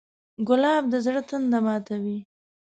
ګلاب د زړه تنده ماتوي.